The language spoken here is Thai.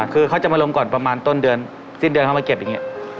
คือเขาจะมาลงก่อนประมาณต้นเดือนสิ้นเดือนเข้ามาเก็บอย่างนี้